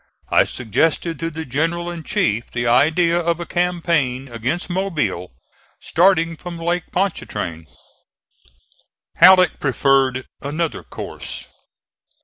I suggested to the General in chief the idea of a campaign against Mobile, starting from Lake Pontchartrain. Halleck preferred another course.